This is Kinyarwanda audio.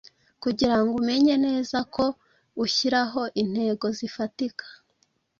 Kugirango umenye neza ko uhyiraho intego zifatika,